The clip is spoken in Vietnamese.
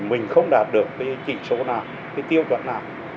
mình không đạt được cái chỉ số nào cái tiêu chuẩn nào